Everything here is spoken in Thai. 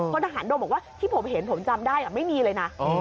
ทหารโดมบอกว่าที่ผมเห็นผมจำได้ไม่มีเลยนะ